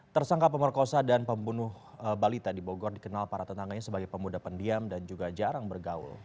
tersangka pemerkosa dan pembunuh balita di bogor dikenal para tetangganya sebagai pemuda pendiam dan juga jarang bergaul